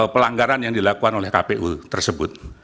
pelanggaran yang dilakukan oleh kpu tersebut